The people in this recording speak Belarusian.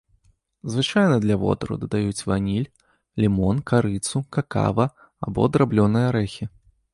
Звычайна для водару дадаюць ваніль, лімон, карыцу, какава або драблёныя арэхі.